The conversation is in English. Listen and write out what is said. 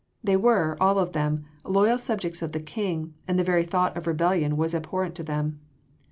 They were all of them loyal subjects of the King, and the very thought of rebellion was abhorrent to them.